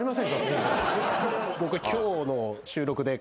僕今日の収録で。